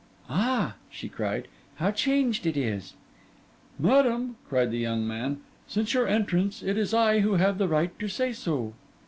'Ah!' she cried, 'how changed it is!' 'Madam,' cried the young man, 'since your entrance, it is I who have the right to say so.